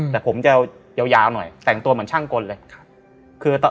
แต่ผมจะยาวหน่อยแต่งตัวเหมือนช่างกลเลย